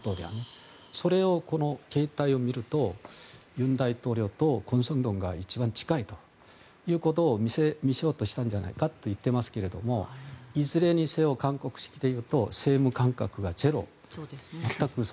それで、この携帯を見ると尹大統領とクォン・ソンドンが一番近いというのを見せようとしたんじゃないかと言っていますけれどもいずれにせよ、韓国式でいうと政務感覚がゼロ。